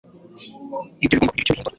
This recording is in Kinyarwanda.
Ibyo bigomba kugira icyo bihindura